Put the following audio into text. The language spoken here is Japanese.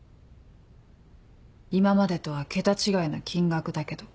今までとは桁違いの金額だけど。